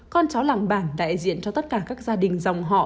con cháu làng bản đại diện cho tất cả các gia đình dòng họ